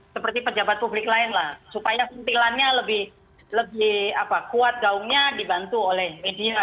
seperti pejabat publik lain lah supaya sentilannya lebih kuat gaungnya dibantu oleh media